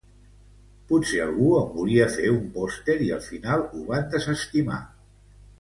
Potser algú en volia fer un pòster i al final ho van desestimar.